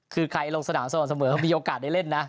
คือใครลงสนามสม่ำเสมอเขามีโอกาสได้เล่นนะ